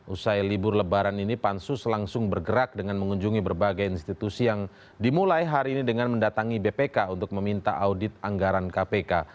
usai libur lebaran ini pansus langsung bergerak dengan mengunjungi berbagai institusi yang dimulai hari ini dengan mendatangi bpk untuk meminta audit anggaran kpk